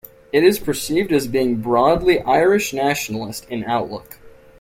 It is perceived as being broadly Irish nationalist in outlook.